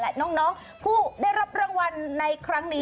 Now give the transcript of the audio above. และน้องผู้ได้รับรางวัลในครั้งนี้